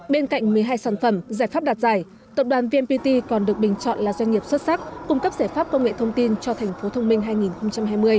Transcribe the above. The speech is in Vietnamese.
bên cạnh một mươi hai sản phẩm giải pháp đạt giải tập đoàn vnpt còn được bình chọn là doanh nghiệp xuất sắc cung cấp giải pháp công nghệ thông tin cho thành phố thông minh hai nghìn hai mươi